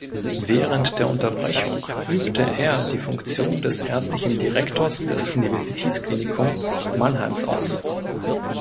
Während der Unterbrechung übte er die Funktion des ärztlichen Direktors des Universitätsklinikum Mannheims aus.